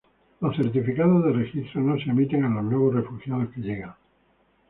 Los Certificados de Registro no se emiten a los nuevos refugiados que llegan.